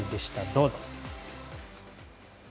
どうぞ。